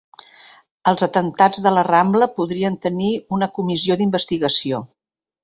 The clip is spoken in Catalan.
Els atemptats de la rambla podrien tenir una comissió d'investigació